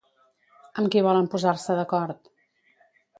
Amb qui volen posar-se d'acord?